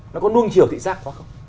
nó có nuông chiều thị giác quá không